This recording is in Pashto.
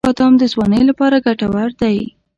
• بادام د ځوانۍ لپاره ګټور دی.